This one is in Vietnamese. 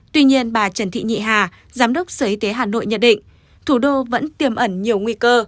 tuy nhiên bà trần thị nhị hà giám đốc sở y tế hà nội nhận định thủ đô vẫn tiềm ẩn nhiều nguy cơ